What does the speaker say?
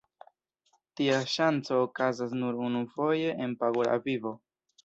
Tia ŝanco okazas nur unufoje en pagura vivo.